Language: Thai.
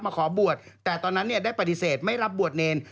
ขอบวชแต่ตอนนั้นได้ปฏิเสธไม่รับบวชเนร